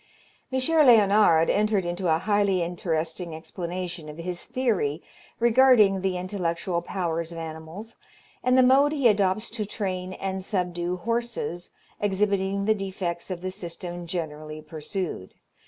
M. Léonard entered into a highly interesting explanation of his theory regarding the intellectual powers of animals, and the mode he adopts to train and subdue horses, exhibiting the defects of the system generally pursued.